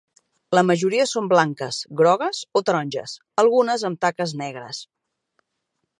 La majoria són blanques, grogues o taronges, algunes amb taques negres.